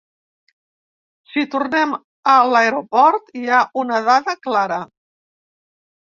Si tornem a l’aeroport, hi ha una dada clara.